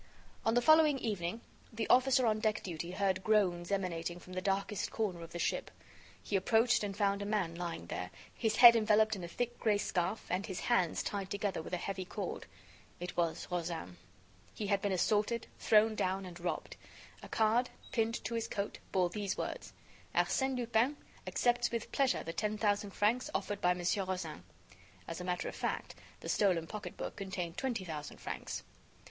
On the following evening, the officer on deck duty heard groans emanating from the darkest corner of the ship. He approached and found a man lying there, his head enveloped in a thick gray scarf and his hands tied together with a heavy cord. It was Rozaine. He had been assaulted, thrown down and robbed. A card, pinned to his coat, bore these words: "Arsène Lupin accepts with pleasure the ten thousand francs offered by Mon. Rozaine." As a matter of fact, the stolen pocket book contained twenty thousand francs.